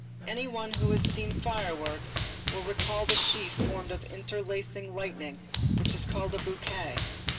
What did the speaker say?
Any one who has seen fireworks will recall the sheaf formed of interlacing lightnings which is called a bouquet.